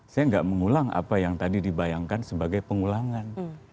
saya nggak mengulang apa yang tadi dibayangkan sebagai pengulangan